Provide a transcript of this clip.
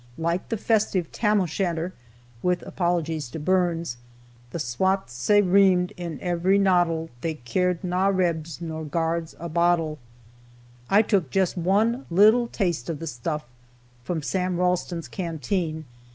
Like the festive Tam O'Shanter (with apologies to Burns), "The swats sae reamed in every noddle, They cared na rebs nor guards a boddle." I took just one little taste of the stuff, from Sam Ralston's canteen.